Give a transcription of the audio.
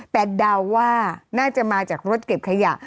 แต่เดาว่าน่าจะมาจากรถเก็บขยะ